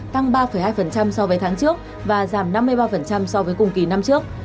tăng ba hai so với tháng trước và giảm năm mươi ba so với cùng kỳ năm trước